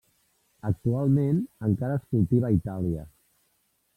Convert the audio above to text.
Actualment encara es cultiva a Itàlia.